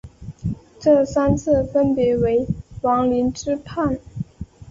这三次分别为王凌之叛。